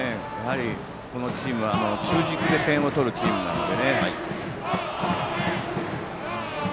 このチームは中軸で点を取るチームなので。